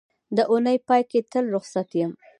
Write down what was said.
د اونۍ پای کې تل روخصت یم